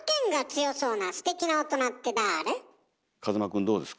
風間くんどうですか？